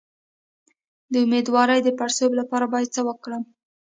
د امیدوارۍ د پړسوب لپاره باید څه وکړم؟